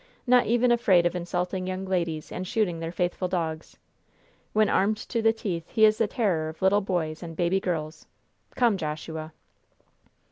Not even afraid of insulting young ladies and shooting their faithful dogs. When armed to the teeth, he is the terror of little boys and baby girls. Come, Joshua!"